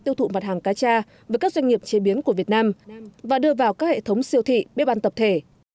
tiêu thụ mặt hàng cá cha với các doanh nghiệp chế biến của việt nam và đưa vào các hệ thống siêu thị bếp ăn tập thể